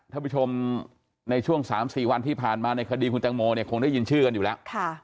ท่านผู้ชมในช่วง๓๔วันที่ผ่านมาในคดีคุณแตงโมเนี่ยคงได้ยินชื่อกันอยู่แล้ว